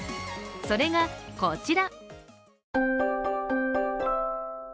それがこちら。